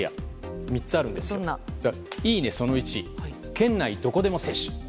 その１、県内どこでも接種。